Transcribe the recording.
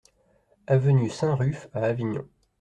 Avenue Saint-Ruf à Avignon